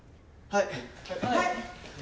はい！